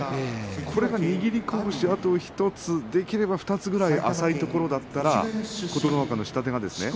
これは握り拳１つできれば２つぐらい浅いところだったら琴ノ若の下手がですね